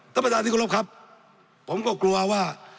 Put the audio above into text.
ท่านประธานที่กรบครับผมก็กลัวว่า